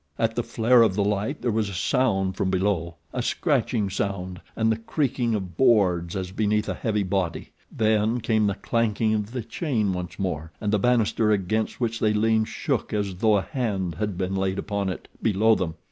At the flare of the light there was a sound from below a scratching sound and the creaking of boards as beneath a heavy body; then came the clanking of the chain once more, and the bannister against which they leaned shook as though a hand had been laid upon it below them.